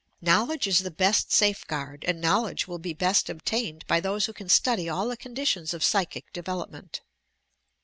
Knowledge is the best safeguard, and knowledge will be best obtained by those who can study all the conditions of psychic development.